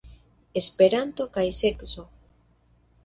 Esperanto kaj sekso.